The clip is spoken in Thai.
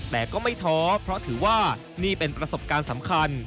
แต่ก็ไม่ท้อเพราะถือว่านี่เป็นประสบการณ์สำคัญ